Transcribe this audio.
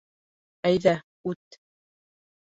Әйҙә, үт.